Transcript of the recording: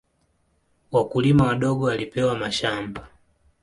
Wakulima wadogo walipewa mashamba.